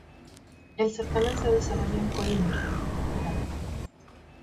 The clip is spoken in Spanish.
El certamen se desarrolló en Coímbra, Portugal.